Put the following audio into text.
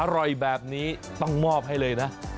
อร่อยแบบนี้ต้องมอบให้เลยนะ